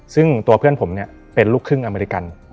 ซึ่งตัวเพื่อนผมเนี่ยเป็นลูกครึ่งอเมริกัน